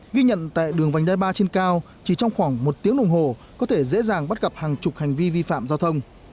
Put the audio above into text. ghi nhận tại đường vành đai ba trên cao chỉ trong khoảng một tiếng đồng hồ có thể dễ dàng bắt gặp hàng chục hành vi vi phạm giao thông